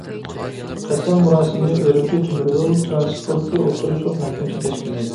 قەسەم مۇراسىمىنى ئۈرۈمچى تۆمۈريول تىرانسپورتى ئوتتۇرا سوت مەھكىمىسى تەشكىللەيدۇ.